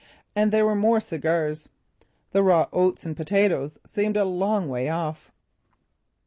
And there were more cigars. The raw oats and potatoes seemed a long way off.